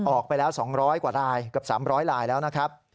ออกไปแล้ว๒๐๐กว่ารายเกือบ๓๐๐ลายแล้วนะครับ